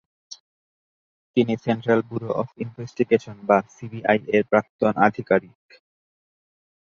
তিনি central bureau of investigation বা CBI এর প্রাক্তন আধিকারিক।